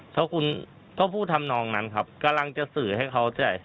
เพราะคุณก็พูดทำนองนั้นครับกำลังจะสื่อให้เข้าใจ